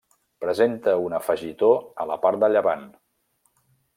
Presenta un afegitó a la part de llevant.